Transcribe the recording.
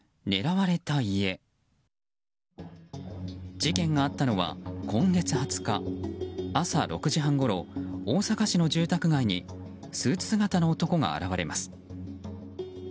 事件がったのは今月２０日朝６時半ごろ大阪市の住宅街にスーツ姿の男が現れます。